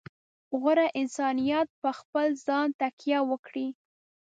غوره انسانیت په خپل ځان تکیه وکړي.